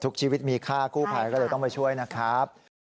ชีวิตมีค่ากู้ภัยก็เลยต้องไปช่วยนะครับ